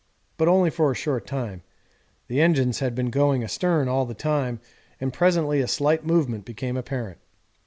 But only for a short time; the engines had been going astern all the time and presently a slight movement became apparent.